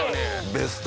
ベスト。